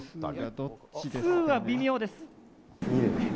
ツーは微妙です。